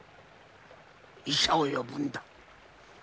医者を呼ぶんだ！